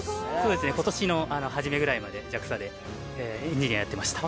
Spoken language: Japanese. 今年のはじめぐらいまでＪＡＸＡでエンジニアやってました